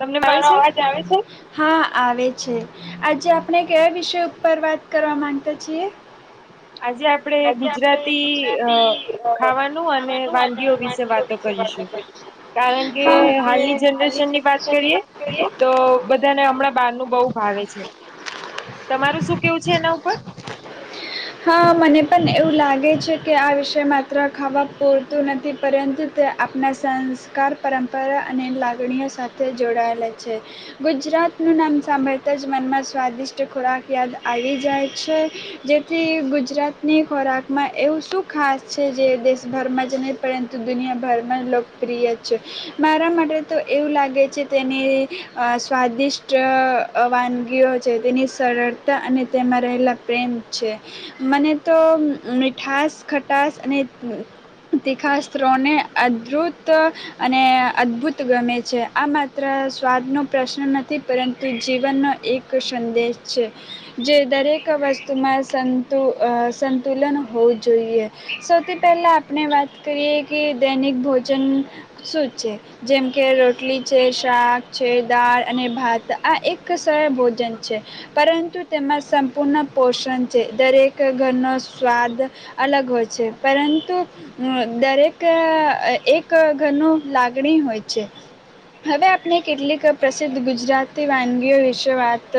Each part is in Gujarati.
તમને આવે મારો છે અવાજ આવે છે? હા આવે. છે. આજે આપણે કયા વિષય ઉપર વાત કરવા માંગતા છીએ? આજે આપણેે ગુજરાતી અ ખાવાનું અને વાનગીઓ વિશે વાતો કરીશું. કારણ કે હાલની જનરેશન ની વાત કરીએ તો બધાને હમણાં બાર નું બહ ભાવે છે. તમારું શું કેવું છે એના ઉપર? હા, મને પણ એવું લાગે છે કે આ વિષ માત્ર ખાવા પૂરતું નથી પરંતુ તે આપના સંસ્કાર પરંપરા અને લાગણીઓ સા થે જોડાયેલા છે. ગુજરાતનું નામ સાંભળતા જ મનમાં સ્વાદિષ્ટ ખોરાક યાદ આવી જાય છે જેથી ગુજરાતની ખોરાકમાં એવું શું ખાસ છે જે દેશભરમાં જ નહીં પરંતુ દુનિયાભરમાં લોકપ્રિય છે. મારા માટે તો એવું લાગે જે તેની અહ સ્વાદિષ્ટ અહ વાનગીઓ છે તેની સરળતા અને તેમાં રહેલા પ્રેમ છે. મને તો મીઠાશ ખટાશ અને તીખાશ ત્રણે અધરુંત અને અદ્ભુત ગમે છે. આ માત્ર સ્વાદનો પ્રશ્ન નથી પરંતુ જીવનનો એક સંદેશ છે. જે દરેક વસ્તુમાં સંતુ અ સંતુલન હોવું છે શાક છે દાળ અને ભાત આ એક સરળ ભોજન છે પરંતુ તેમાં સંપૂર્ણ પોષણ છે દરેક ઘરનો સ્વાદ અલગ હોય છે પરંતુ દરેક એક ઘરનું લાગણી હોય છે. હવે આપણે કેટલીક પ્રસિદ્ધ ગુજરાતી વાનગીઓ વિશે વાત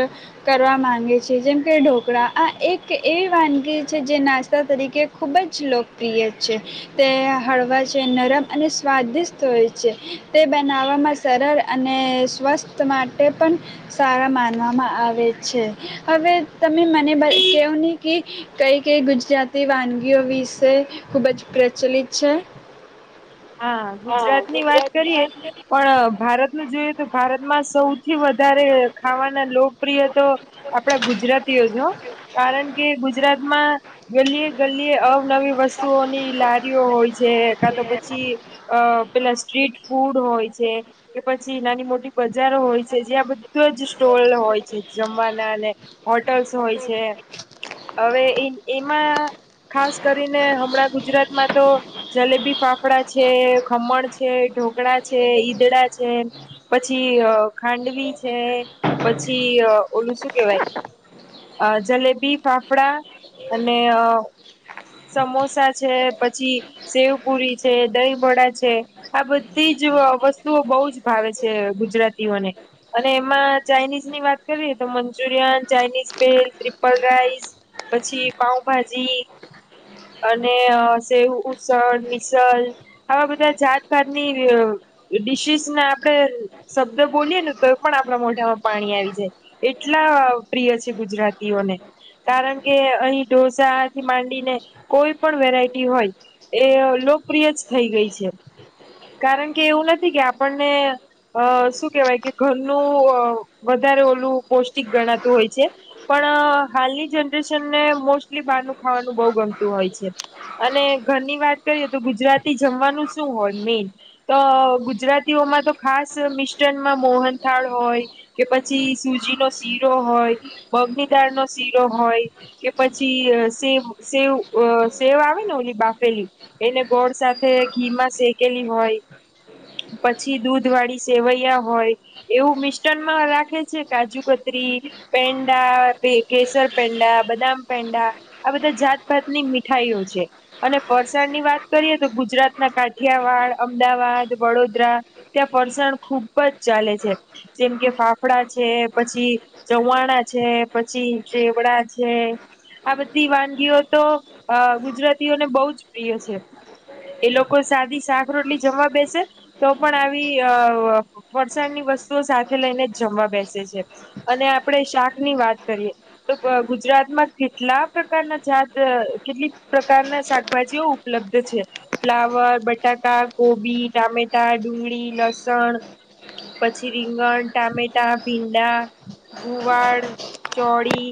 કરવા માગે છીએ જેમ કે ઢોકળા આ એક એવી વાનગી છે જે નાસ્તા તરીકે ખૂબ જ લોકપ્રિય છે. તે હળવા છે નરમ અને સ્વાદિષ્ટ હોય છે. તે બનાવવામાં સરળ અને સ્વસ્થ માટે પણ સારા માનવામાં આવે છે હવે તમે મને બ કવું નહીં કે કઈ કઈ ગુજરાતી વાનગીઓ વિશે ખૂબ જ પ્રચલિત છે. હા ગુજરાત ની વાત કરીએ પણ અહ ભારતનું જોઈએ તો ભારતમાં સૌથી વધારે ખાવાના લોકપ્રિય તો આપડા ગુજરાતીઓ જ હ. કારણ કે ગુજરાતમાં ગલીએ ગલીએ અવનવી વસ્તુઓની લારીઓ હોય છે કા તો પ પછી અહ પેલા સ્ટ્રીટ ફૂડ હોય છે કે પછી નાની મોટ બજારો હોય છે જ્યાં બધો જ સ્ટોલ હોય છે જમવાના અને હોટલ્સ હોય છે. હવે એ એમાં ખાસ કરીને હમણાં ગુજરાતમાં તો જલેબી ફાફડા છે, ખમણ છે, ઢોકળા છે, ઈદડા છે પછી અહ ખાંડવી છે પછી અહ ઓલું શું કેહેવાય અહ જલેબી ફાફડા અને અહ સમોસા છે પછી શેવ પુરી છે દહીબડા છે આ બધી જ વસ્તુઓ બહુ જ ભાવે છે ગુજરાતીઓને અને એમાં ચાઇનીઝ ની વાત કરીએ તો Manchurian Chinese bhel triple rice પછી પાઉભાજી અને અહ સેવ ઉસણ મિસલ આવા બધા જાતભાતની અહ ડીશીસને આપણે શબ્દ બોલીએ ને તો એ પણ આપણા મોઢામાં પાણી આવી જાય એટલા પ્રિય છે ગુજરાતીઓને કારણ કે અહી ઢોસાથી માંડીને કોઈ પણ વેરાયટી હોય એ લોકપ્રિય જ થઈ ગઈ છે. કારણ કે એવું નથી કે આપણને અહ શું કેહેવાય કે ઘરનું અહ વધારે ઓલું પૌષ્ટિક ગણાતું હોય છે પણ અહ હાલની જનરેશનને મોસ્ટલી બહારનું ખાવાનું બહુ ગમ તું હોય છે. અને ઘરની વાત કરીએ તો ગુજરાતી જમવાનું શું હોય મેન તો અહ ગુજરાતીઓમાં તો ખાસ મિસ્ટનમાં મોહનથાળ હોય કે પછી સુજી નો શીરો હોય મગની દાળ નો શીરો હોય કે પછી સેવ સેવ અહ સેવ આવે ને ઓલી બાફેલી એને ગોળ સાથે ઘીમાં શેકેલી હોય પછી દૂધ વાળી સેવૈયા હોય એવું મિસ્ટનમાં રાખે છે કાજુ કતરી, પેંડા એ કેસર પેંડા બદામ પેંડા આ બધા જાત ભાતભાતની મીઠાઈઓ છે અને ફરસાણની વાત કરીએ તો ગુજરાતના કાઠિયાવાડ અમદાવાદ વડોદરા ત્યાં ફરસાણ ખુબ જ ચાલે છે. જેમ કે ફાફડા છે પછી ચવાણા છે પછી ચેવડા છે આ બધી વાનગીઓ તો અહ ગુજરાતીઓને બહુ જ પ્રિય છે. એ લોકો સાદી શાક રોટલી જમવા બેસે તો પણ આવી અહ ફરસાણની વસ્તુઓ સાથે લઈને જ જમવા બેસે છે અને આપડે શાકની વાત કરીએ તો ગુજરાતમાં કેટલા પ્રકારના જાત અહ કેટલીક પ્રકારના શાકભાજીઓ ઉપલબ્ધ છે. ફ્લાવર, બટાકા, ગોબી, ટામેટા, ડુંગળી, લસણ પછી રીંગણ, ટામેટા, ભીંડા, ગુવાર, ચોળી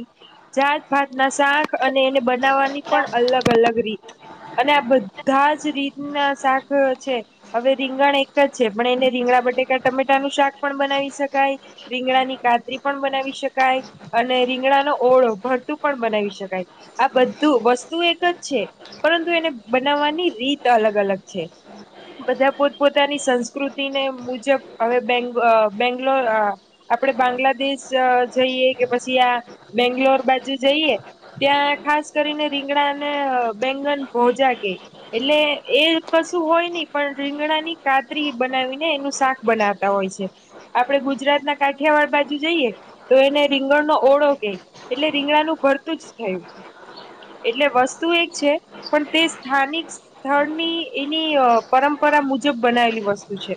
જાતભાત ના શાક અને એને બનાવવાની પણ અલગ અલગ રીત અને આ બધા જ રીતના શાક છે હવે રીંગણ એક જ છે પણ એને રીંગણા બટેકા ટમેટાનું શાક પણ બનાવી શકાય. રીંગણાની કાતરી પણ બનાવી શકાય. અને રીંગડાનો ઓળો ભરતું પણ બનાવી શકાય. આ બધું વસ્તુ એક જ છે પરંતુ એને બનાવવાની રીત અલગ અલગ છે. બધા પોતપોતાની સંસ્કૃતિને મુજબ હવે બેંગ અહ બેંગ્લોર અહ આપણે બાંગ્લાદેશ જઈએ કે પછી આ બેંગ્લોર બાજુ જઈએ ત્યાં ખાસ કરીને રીંગણાને અહ બેંગન ભોજા કે એટલે એ કશું હોય નહી પણ રીંગણા ની કાતરી બનાવીને એનું શાક બનાવતા હોય છે. આપડે ગુજરાત ના કાઠિયાવાડ બાજુ જઈએ તો એને રીંગણનો ઓળો કે એટલે રીંગણાનું ભરતું જ થયું. એટલે વસ્તુ એક છે પણ તે સ્થાનિક સ્થળની એની અહ પરંપરા મુજબ બનાવેલી વસ્તુ છે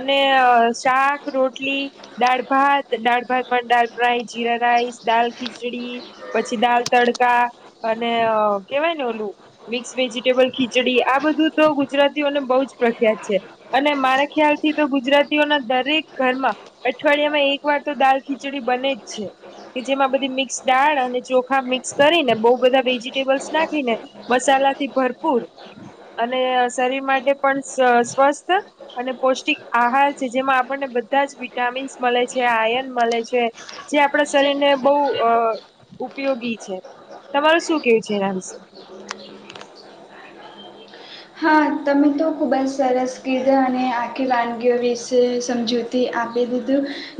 અને અહ શાક રોટલી દાળ ભાત દાળ ભાતમાં દાળફ્રાય, જીરા રાઈસ, દાલ ખીચડી, પછી દાલ તડ કા અને અહ કેવાય ને ઓલું મિક્સ વેજીિટેબલ ખીચડી આ બધું તો ગુજરાતીઓને બહુ જ પ્રખ્યાત છે. અને મારા ખ્યાલ થી તો ગુજરાતીઓના દરેક ઘરમાં અઠવાડિયામાં એક વાર તો દાળ ખીચડી બને જ છે કે જેમાં બધી મિક્સ દાળ અને ચોખા મિક કરીને બહુ બધા વેજીિટેબલ્સ નાખીને મસાલાથી ભરપૂર અને શરીર માટે પણ સ-સ્વસ્થ અને પૌષ્ટિક આહાર છે જેમાં આપણને બધા જ વિટામીન્સ મળે છે આયન મળે છે જે આપણા શરીર ને બહુ અહ ઉપયોગી છે. તમાર શું કેવું છે એના વિશે? હા, તમે તો ખુબ જ સરસ કીધા અને આખી વાનગીઓ વિશે સમજૂતી આપી દીધુ.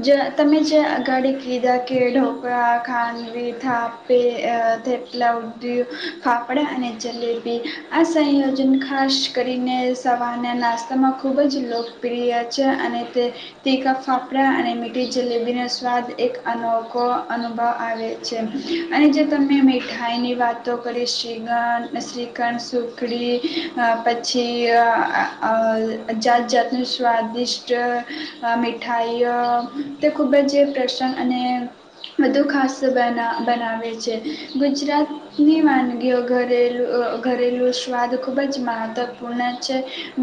જ તમે જે અગાડી કીધા કે ઢોકળા ખાંડવી થાપે અહ થેપલા ઉંધિયુ ફાફડા અને જલેબી આ સંયોજન ખાસ કરીને સવારના નાસ્તામાં ખૂબ જ લોકપ્રિય છે અને તે તીખા ફાફડા અને મીઠી જલેબીનો સ્વાદ એક અનોખો અનુભવ આવે છે અને જે તમે મીઠાઈની વાતો કરી શીરા શ્રીખંડ સુખડી પછી અહ અહ જાત જાતનું સ્વાદિષ્ટ મીઠાઈઓ તે ખૂબ જ પ્રસન્ન અને બધુ ખાસ બના બનાવે છે. ગુજરાતની વાનગીઓ ઘરેલું ઘરેલું સ્વાદ ખૂબ ખૂબ જ મહત્વપૂર્ણ છે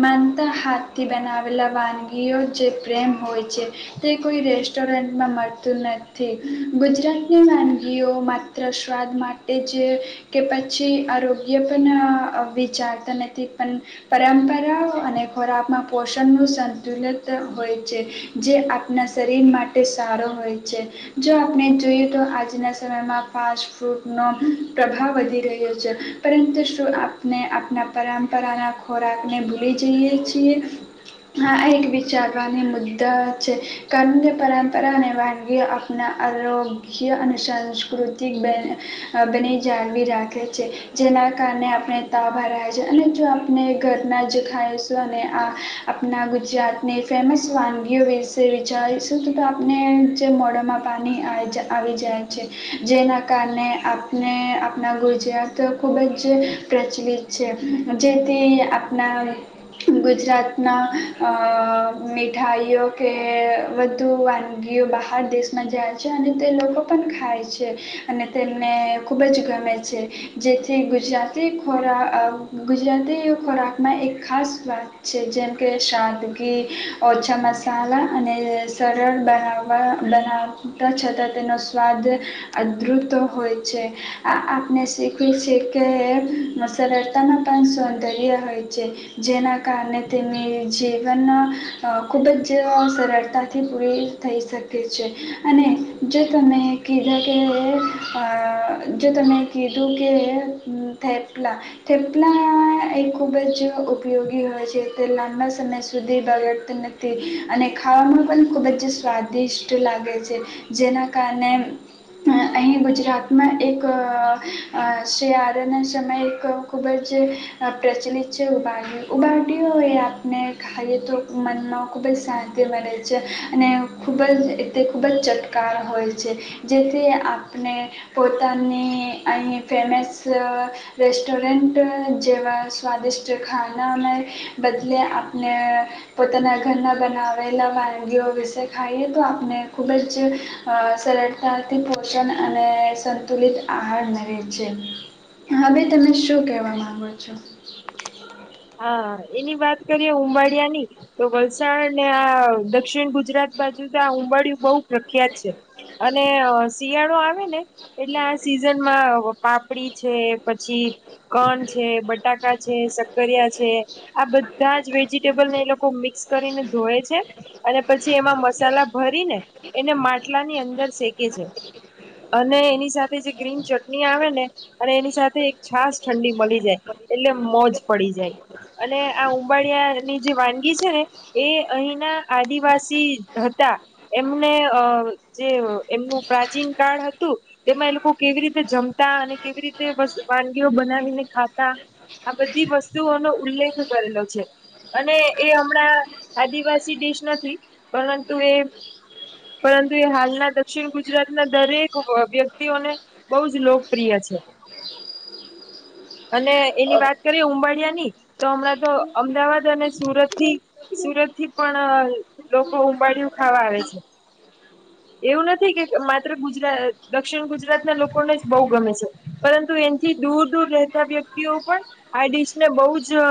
માનતા હાથથી બનાવેલા વાનગીઓ જે પ્રેમ હોય છે તે કોઈ રેસ્ટોરન્ટમાં મળતું નથી ગુજરાતની વાનગીઓ માત્ર સ્વાદ માટે જે કે પછી આરોગ્ય પણ અહ વિચાર એને થી પણ પરંપરાઓ અને ખોરાકમાં પોષણનું સંતુલિત હોય છે જે આપના શરીર માટે સારો હોય છે. જો આપને જોઈએ તો આજના સમયમાં ફાસ્ટફૂડનો પ્રભાવ વધી રહ્યો છે પરંતુ શું આપને આપના પરંપરા ના ખોરાક ને ભૂલી જઈએ છીએ આ એક વિચારવાની મુદ્દા છે કારણ કે પરંપરા અને વાનગી આપના આરોગ્ય અને સંસ્કૃતિક બની જાળવી રાખે છે જેના કારણે આપનને તાવ ભરાય અને જો આપને ઘરના જ ખાઈશું અને આ આપણા ગુજરાતની ફેમસ વાનગીઓ વિશે વિચારીશું તો તો આપને જે મોડામાં પાણી આવી જાય છે જેના કારણે આપને આપના ગુજરાત ખૂબ જ પ્રચલિત છે. જેથી આપણા ગુજરાતના અહ મિઠાઇઓ કે વધુ વાનગીઓ બહાર દેશમાં જાય છે અને તે લોકો પણ ખાય છે અને તેમને ખૂબ જ ગમે છે જેથી ગુજરાતી ખોરા અહ ગુજરાતી ખોરાકમાં એક ખાસ સ્વાદ છે જેમકે સાદગી ઓછા મસાલા અને સરળ બનાવવા બનાવતા છતાં તેનો સ્વાદ અદૃપતો હોય છે આ આપને શીખ્યું છે કે સરળતાના પણ સૌંદર્ય હોય છે. જેના કારણે તેમની જીવન ખૂબ જ અ સરળતાથી પૂરી થઈ શકે છે અને જો તમે કીધા કે અહ જો તમે કીધું કે તે લા. થેપલા એ ખૂબ જ ઉપયોગી હોય છે તે લાંબા સમય સુધી બગડત નથી અને ખાવામાં પણ ખૂબ જ સ્વાદિષ્ટ લાગે છે જેના કારણે અહીં ગુજરાતમાં એક અહ શિયાળાના સમય ખૂબ જ પ્રચલિત છે ઉબાડિયુ. ઉબાડિયુએ એ આપને ખાઈએ તો મનમાં ખૂબ જ શાંતિ મળે છે. અને ખૂબ જ તે ખૂબ જ ચટકાર હોય છે જેથી આપને પોતાની અહીં ફેમસ અહ રેસ્ટોરન્ટ જેવા સ્વાદિષ્ટ ખાનાને બદલે આપને પોતાના ઘરના બનાવેલા વાનગીઓ વિશે ખાઈએ તો આપને ખૂબ જ અ સરળતાથી પોષણ અને સંતુલિત આહાર મલે છે. હા ભાઈ તમે શું કેવા માંગો છો? હા એની વાત કરીએે ઉંબાળિયા ની તો વલસાડ ને આહ દક્ષિણ ગુજરાત બાજુ તો અહ ઉંબાળિય બહુ પ્રખ્યાત છે અને શિયાળો આવે ને એટલે અહ સિઝનમાં પાપડી છે પછી કન છે બટાકા છે સક કરિયા છે આ બધા જ વેજીિટેબલને એ લોકો મિક્સ કરીને ધોય છે અને પછી એમાં મસાલા ભરીને એને માટલાની અંદર શેકે છે અને એની સાથે જે ગ્રીન ચટણી આવે ને અને એની સાથે એક છાસ ઠંડી મલી જાય એટલે મોજ પડી જાય. અને આ ઉંબાળિયાની જે વાનગી છે ને એ અહીના આદિવાસી હતા એમને અહ જે એમનું પ્રાચીન કાળ હતું એમાં એ લોકો કેવી રીતે જમતા અને કેવી રીતે વાનગીઓ બનાવીને ખાતા આ બધ ધી વસ્તુઓનો ઉલ્લેખ કરેલો છે. અને એ હમણાં આદિવાસી ડિશ નથી પરંતુ એ પરંતુ એ હાલના દક્ષિણ ગુજરાતના દરેક વ્યક્તિઓને બહુ જ લોકપ્રિય છે. અને એની વાત કરીએ ઉંબાિયા ની તો હમણાં તો અમદાવાદ અને સુરત થી સુરત થી પણ લોકો ઉંબાળિયું ખાવા આવે છે. એવું નથી કે માત્ર ગુજરાત દક્ષિણ ગુજરાતના લોકોને જ બહુ ગમે છે પરંતુ એથી દૂર દૂર રહેતા વ્યક્તિઓ પણ આ ડિશને બહુ જ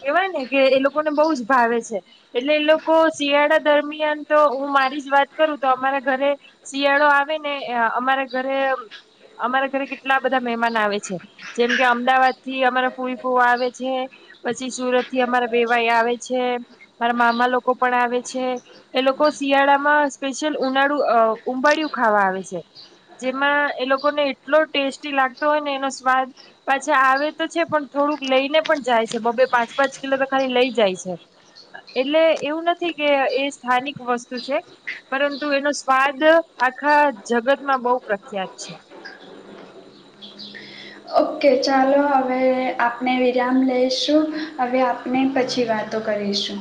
કેહેવાય ને કે એ લોકોને બહુ જ ભાવે છે એટલે એ લોકો શિયાળા દરમિયાન તો હું મારી જ વાત કરું તો અમારા ઘરે શિયાળો આવે ને અમારા ઘરે અમારા ઘરે કેટલા બધા મહેમાન આવે છે જેમ કે અમદાવાદ થી અમારા ફૂરી ફૂવ આવે છે પછી સુરત થી અમારા બેવાઈ આવે છે મારા મામા લોકો પણ આવે છે એ લોકો શિયાળામાં સ્પેશિયલ ઉનાળું ઉંબાળિયું ખાવા આવે છે જેમાં એ લોકોને એટલો ટેસ્ટી લાગતો હોય ને એનો સ્વાદ પાછા આવે તો છે પણ થોડુંક લઈને પણ જાય છે બબે પાંચ પાંચ કિલો તો ખાલી લઈ જાય છે એટલે એવું નથી કે એ સ્થાનિક વસ્તુ છે પરંતુ એનો સ્વાદ આખા જગતમાં બહુ પ્રખ્યાત છે ઓકે ચાલો હવે આપને વિરામ લઈશું હવે આપને પછી વાતો કરીશું.